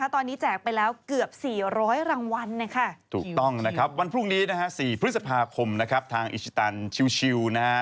ถูกต้องนะครับวันพรุ่งนี้นะฮะ๔พฤษภาคมทางอีชิตันชิวนะฮะ